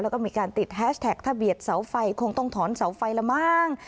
แล้วก็มีการติดแฮชแท็กถ้าเบียดเสาไฟคงต้องถอนเสาไฟละมั้ง